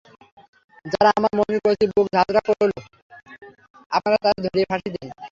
যারা আমার মণির কচি বুক ঝাঁজরা করল, আপনারা তাদের ধরে ফাঁসি দেন।